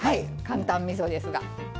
簡単みそですが。